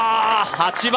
８番！